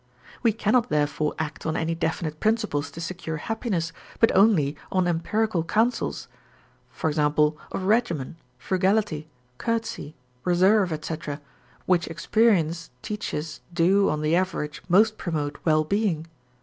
We cannot therefore act on any definite principles to secure happiness, but only on empirical counsels, e.g. of regimen, frugality, courtesy, reserve, etc., which experience teaches do, on the average, most promote well being.